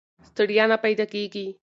ستړیا نه پیدا کېږي.